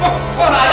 pak pak bunga itu